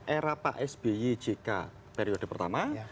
era pak sby jk periode pertama